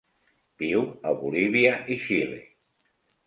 Viu a Bolívia i Xile.